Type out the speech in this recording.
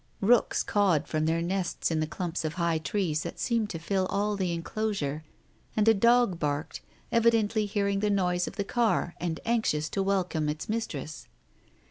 Rooks cawed from their nests in the clumps of high trees that seemed to fill all the enclosure, and a dog barked, evidently hearing the noise of the car and anxious to welcome its mistress.